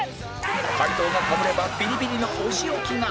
解答がかぶればビリビリのお仕置きが